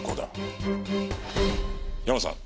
ヤマさん。